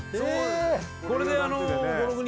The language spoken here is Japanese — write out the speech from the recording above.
これで。